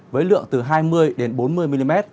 với lượng từ hai mươi đến bốn mươi mm